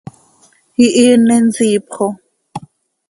¡Ihiini nsiip xo!